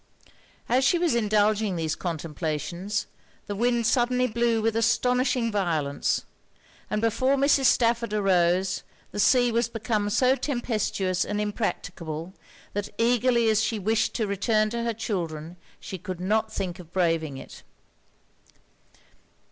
As she was indulging these contemplations, the wind suddenly blew with astonishing violence; and before Mrs. Stafford arose, the sea was become so tempestuous and impracticable, that eagerly as she wished to return to her children she could not think of braving it.